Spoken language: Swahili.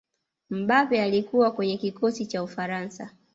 mbappe alikuwa kwenye kikosi cha ufaransa